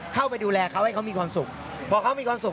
เข้าไปดูแลเขาให้เขามีความสุขพอเขามีความสุข